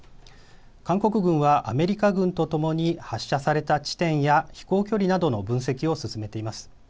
韓国軍はアメリカ軍とともに発射された地点や飛行距離などの分析を進めています。